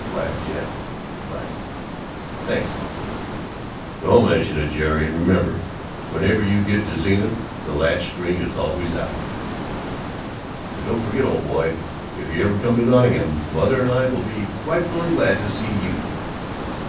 Good by, old chap, good by! Thanks awfully!" "Don't mention it, Jerry. And remember whenever you get to Zenith, the latch string is always out." "And don't forget, old boy, if you ever come to Nottingham, Mother and I will be frightfully glad to see you.